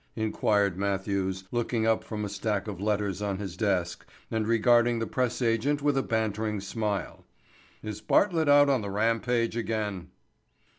inquired Matthews, looking up from a stack of letters on his desk and regarding the press agent with a bantering smile. "Is Bartlett out on the rampage again?"